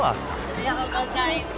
おはようございます。